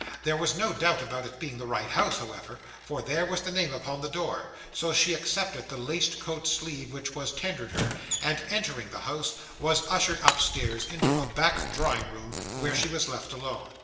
There was no doubt about its being the right house, however, for there was the name upon the door; so she accepted the laced coat sleeve which was tendered her, and entering the house, was ushered upstairs, into a back drawing room, where she was left alone.